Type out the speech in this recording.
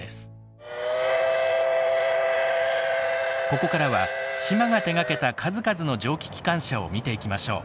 ここからは島が手がけた数々の蒸気機関車を見ていきましょう。